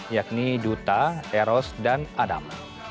yakni duta eros dan adam